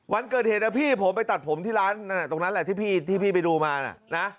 วันเกิดเหตุนะพี่ผมไปตัดผมที่ร้านตรงนั้นแหละที่พี่ไปดูมานะ